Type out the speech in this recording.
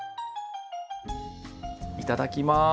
いただきます。